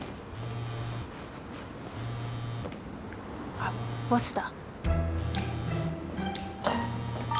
あっボスだ。